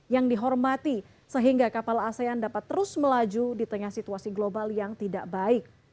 yang dihormati sehingga kapal asean dapat terus melaju di tengah situasi global yang tidak baik